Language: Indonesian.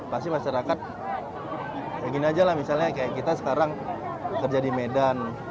pasti masyarakat ya gini aja lah misalnya kayak kita sekarang kerja di medan